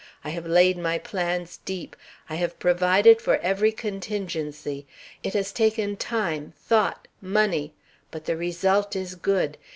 I have laid my plans deep. I have provided for every contingency. It has taken time, thought, money. But the result is good.